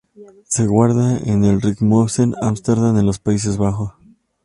Se guarda en el Rijksmuseum, Ámsterdam, en los Países Bajos.